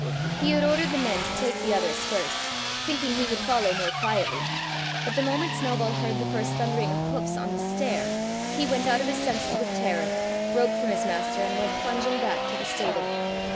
He had ordered the men to take the others first, thinking he would follow more quietly. But the moment Snowball heard the first thundering of hoofs on the stair, he went out of his senses with terror, broke from his master, and went plunging back to the stable.